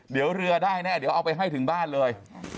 เดี๋ยวเรือได้แน่เดี๋ยวเอาไปให้ถึงบ้านเลย